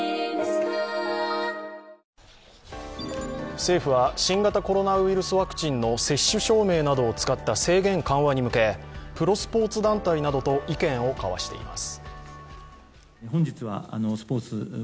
政府は新型コロナウイルスワクチンの接種証明などを使った制限緩和に向け、プロスポーツ団体など意見を交わしています。